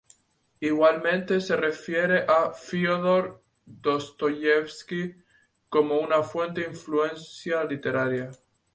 Igualmente, se refiere a Fiódor Dostoyevski como una fuerte influencia literaria.